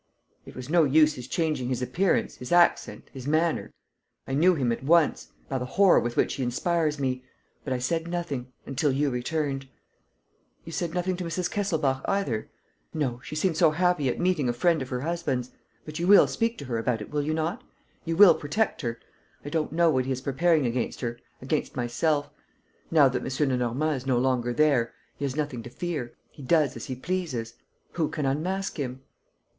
"It was no use his changing his appearance, his accent, his manner: I knew him at once, by the horror with which he inspires me. But I said nothing ... until you returned." "You said nothing to Mrs. Kesselbach either?" "No. She seemed so happy at meeting a friend of her husband's. But you will speak to her about it, will you not? You will protect her. ... I don't know what he is preparing against her, against myself. ... Now that M. Lenormand is no longer there, he has nothing to fear, he does as he pleases. Who can unmask him?"